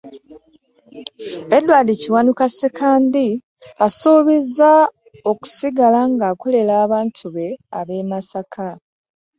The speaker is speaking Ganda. Edward Kiwanuka Ssekandi asuubizza okisigala ng'akolera abantu be ab'e Masaka.